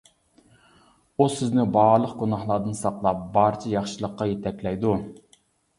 ئۇ سىزنى بارلىق گۇناھلاردىن ساقلاپ، بارچە ياخشىلىققا يېتەكلەيدۇ.